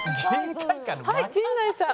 はい陣内さん。